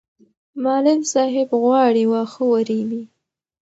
معلم صاحب غواړي واښه ورېبي.